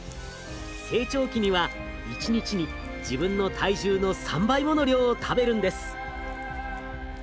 成長期には一日に自分の体重の３倍もの量を食べるんです。